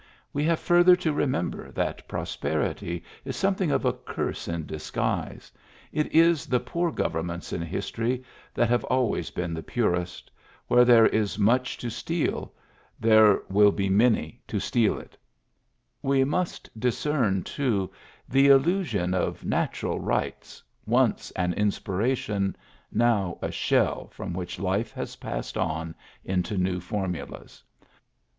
We have further to remember that prosperity is something of a curse in disguise ; it is the poor governments in history that have always been the purest; where there is much to steal, there will be many Digitized by VjOOQIC PBIEFACE 13 to steal it. We must discern, too, the illusion of "natural rights," once an inspiration, now a shell from which life has passed on into new formulas.